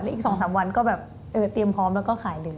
อีก๒๓วันก็แบบเตรียมพร้อมแล้วก็ขายเลย